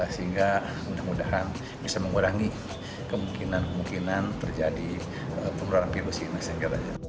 sehingga mudah mudahan bisa mengurangi kemungkinan kemungkinan terjadi penurunan virus ini